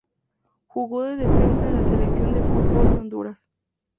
Jugó de Defensa en la selección de fútbol de Honduras.